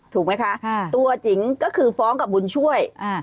ถูกไหมคะตัวจิ๋งก็คือฟ้องกับบุญช่วย